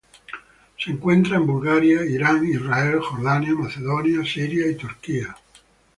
Se encuentra en Bulgaria, Irán, Israel, Jordania, Macedonia, Siria, y Turquía.